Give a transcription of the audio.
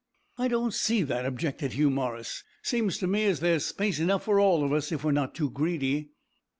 "I don't see that," objected Hugh Morris. "Seems to me as there's space enough for all of us, if we're not too greedy."